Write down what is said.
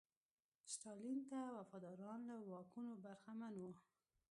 ستالین ته وفاداران له واکونو برخمن وو.